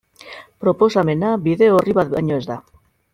Proposamena bide orri bat baino ez da.